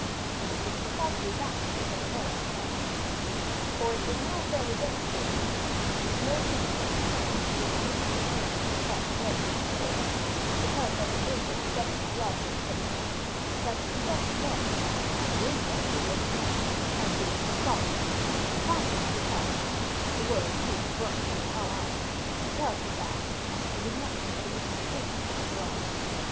And it was precisely that which had annoyed his majesty. For it was now fairly demonstrated to him, that no sympathetic current had been the means of hurrying his heart away in its course, because there had been no confession of love in the case because the confession was, in fact, an insult towards the man and towards the sovereign; and finally, because and the word, too, burnt like a hot iron because, in fact, it was nothing but a mystification after all.